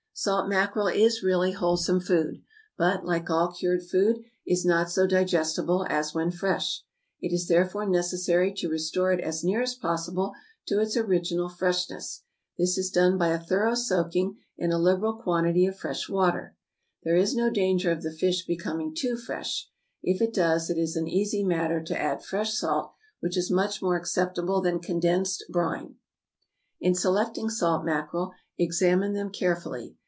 Salt mackerel is really wholesome food, but, like all cured food, is not so digestible as when fresh: it is therefore necessary to restore it as near as possible to its original freshness. This is done by a thorough soaking in a liberal quantity of fresh water. There is no danger of the fish becoming too fresh; if it does, it is an easy matter to add fresh salt, which is much more acceptable than condensed brine. In selecting salt mackerel, examine them carefully.